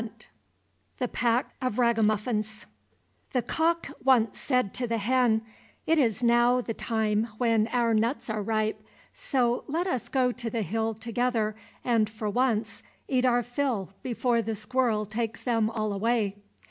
10 The Pack of Ragamuffins The cock once said to the hen, "It is now the time when our nuts are ripe, so let us go to the hill together and for once eat our fill before the squirrel takes them all away."